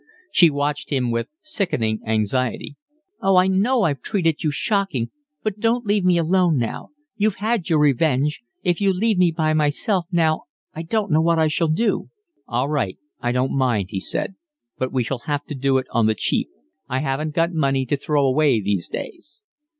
She watched him with sickening anxiety. "Oh, I know I've treated you shocking, but don't leave me alone now. You've had your revenge. If you leave me by myself now I don't know what I shall do." "All right, I don't mind," he said, "but we shall have to do it on the cheap, I haven't got money to throw away these days."